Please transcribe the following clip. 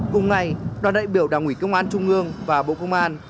cùng ngày đoàn đại biểu đảng ủy công an trung ương và bộ công an